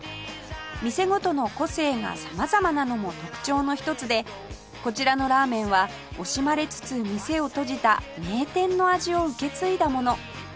店ごとの個性が様々なのも特徴の一つでこちらのラーメンは惜しまれつつ店を閉じた名店の味を受け継いだもの